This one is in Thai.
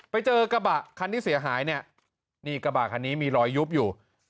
ไปเจอกระบะคันที่เสียหายเนี่ยนี่กระบะคันนี้มีรอยยุบอยู่